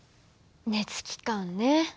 熱機関ね。